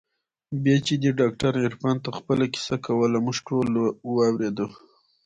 بيا چې دې ډاکتر عرفان ته خپله کيسه کوله موږ ټوله واورېده.